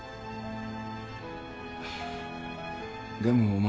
でもお前。